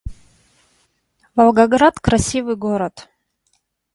Волгоград — красивый город